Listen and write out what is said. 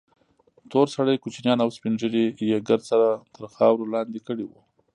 تور سرې کوچنيان او سپين ږيري يې ګرد سره تر خارور لاندې کړي وو.